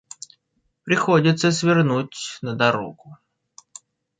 Приходится свернуть на дорогу.